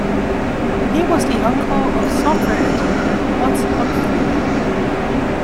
He was the uncle of software engineer Watts Humphrey.